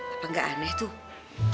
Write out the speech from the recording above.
apa gak aneh tuh